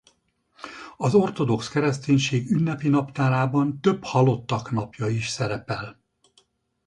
Az ortodox kereszténység ünnepi naptárában több halottak napja is szerepel.